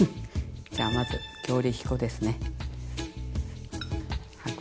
じゃあまず強力粉ですね。